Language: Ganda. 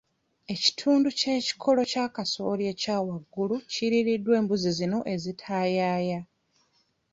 Ekitundu ky'ekikolo kya kasooli eky'ewaggulu kiriiriddwa embuzi zino ezitaayaaya.